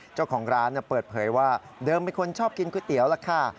เจ้าของร้านเปิดเผยว่าเดิมเป็นคนชอบกินก๋วยเตี๋ยวล่ะค่ะ